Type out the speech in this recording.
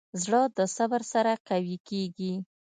زړه د صبر سره قوي کېږي.